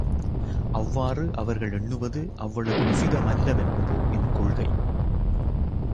அவ்வாறு அவர்கள் எண்ணுவது அவ்வளவு உசிதமல்ல வென்பது என் கொள்கை.